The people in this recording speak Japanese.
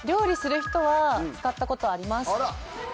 あら！